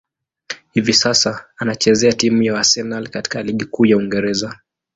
Hivi sasa, anachezea timu ya Arsenal katika ligi kuu ya Uingereza.